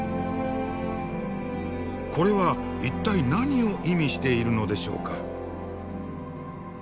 これは一体何を意味しているのでしょうか。